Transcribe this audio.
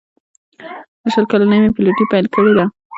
له شل کلنۍ مې پیلوټي پیل کړې ده.